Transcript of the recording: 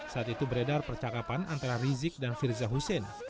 saat itu beredar percakapan antara rizik dan firza hussein